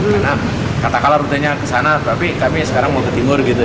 karena kata kala rutenya ke sana tapi kami sekarang mau ke timur gitu